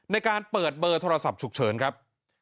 ในการเปิดเบอร์โทรศัพท์ฉุกเฉินครับ